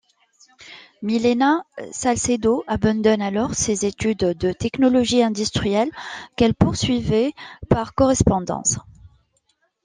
Milena Salcedo abandonne alors ses études de technologie industrielle qu'elle poursuivait par correspondance.